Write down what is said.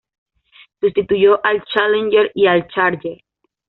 Sustituyó al Challenger, y al Charger.